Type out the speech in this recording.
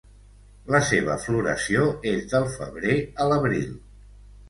La seva floració és del febrer a l'abril.